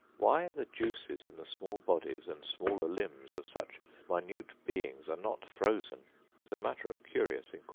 Why the juices in the small bodies and smaller limbs of such minute beings are not frozen is a matter of curious inquiry.